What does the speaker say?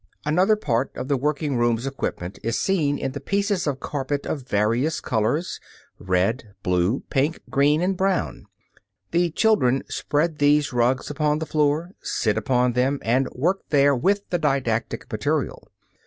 Another part of the working room's equipment is seen in the pieces of carpet of various colors red, blue, pink, green and brown. The children spread these rugs upon the floor, sit upon them and work there with the didactic material.